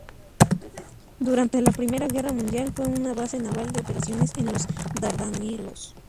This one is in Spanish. Durante la Primera Guerra Mundial fue una base naval de operaciones en los Dardanelos.